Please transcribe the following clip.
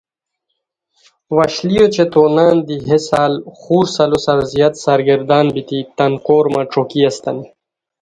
وشلی اوچے تو نان دی ہے سال خور سالو سار زیاد سرگردان بیتی تان کورمہ ݯوکی استانی